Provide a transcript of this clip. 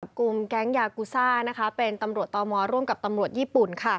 กลุ่มแก๊งยากูซ่าเป็นตำรวจตมร่วมกับตำรวจญี่ปุ่น